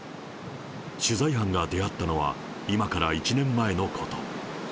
取材班が出会ったのは、今から１年前のこと。